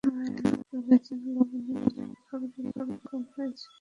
Emmanuel বলেছে, খাবারে লবণ কম হয়েছে।